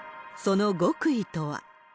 その極意とは。